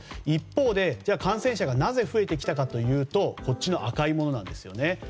一方で、感染者がなぜ増えてきたかというとこちらの赤いものなんですね。